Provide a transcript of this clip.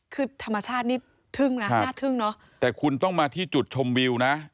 คือธรรมชาตินี่ทึ่งนะน่าทึ่งเนอะแต่คุณต้องมาที่จุดชมวิวนะ